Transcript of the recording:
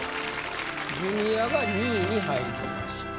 ジュニアが２位に入りました。